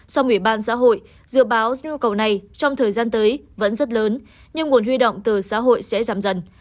sau ủy ban xã hội dự báo nhu cầu này trong thời gian tới vẫn rất lớn nhưng nguồn huy động từ xã hội sẽ giảm dần